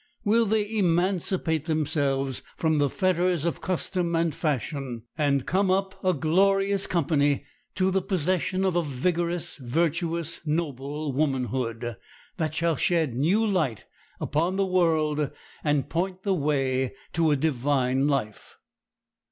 Will they emancipate themselves from the fetters of custom and fashion, and come up, a glorious company, to the possession of a vigorous, virtuous, noble womanhood, that shall shed new light upon the world and point the way to a divine life?